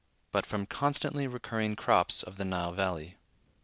"but from the constantly recurring crops of the Nile Valley."